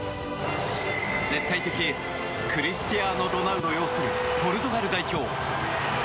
絶対的エースクリスティアーノ・ロナウド擁するポルトガル代表。